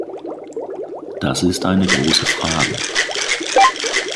Das ist eine große Frage.